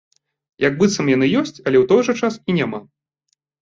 Як быццам яны ёсць, але ў той жа час і няма.